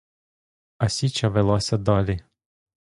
А січа велася далі.